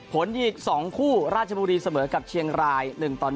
ผลอีก๒คู่ราชบุรีเสมอกับเชียงราย๑ต่อ๑